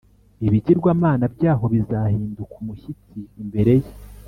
Ibigirwamana byaho bizahinda umushyitsi imbere ye,